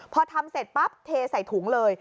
พอทำเสร็จปั๊บเทใส่ถุงเลย